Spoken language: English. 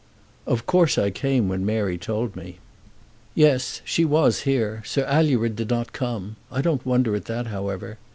"Of course I came when Mary told me." "Yes; she was here. Sir Alured did not come. I don't wonder at that, however.